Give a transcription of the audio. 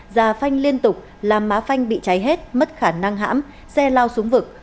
già phanh liên tục làm má phanh bị cháy hết mất khả năng hãm xe lao xuống vực